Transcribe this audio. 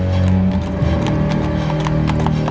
kau tidak berani